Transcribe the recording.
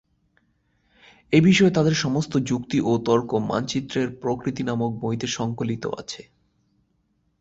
এই বিষয়ে তাদের সমস্ত যুক্তি ও তর্ক মানচিত্রের প্রকৃতি নামক বইতে সংকলিত আছে।